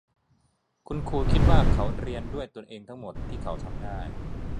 คุณครูคิดว่าเขาเรียนด้วยตัวเองทั้งหมดที่เขาทำได้